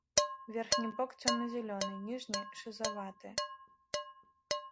Верхні бок цёмна-зялёны, ніжні шызаваты.